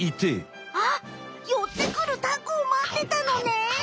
あっよってくるタコをまってたのね！